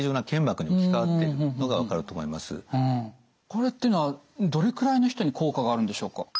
これっていうのはどれくらいの人に効果があるんでしょうか？